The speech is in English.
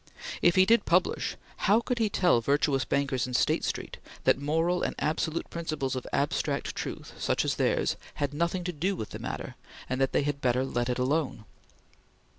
If he did publish, how could he tell virtuous bankers in State Street that moral and absolute principles of abstract truth, such as theirs, had nothing to do with the matter, and that they had better let it alone?